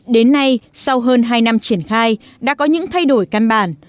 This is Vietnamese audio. đến nay sau hơn hai năm triển khai đã có những thay đổi căn bản